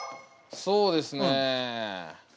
そうですね。